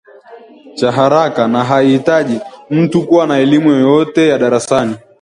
cha haraka na haihitaji mtu kuwa na elimu yoyote ya darasani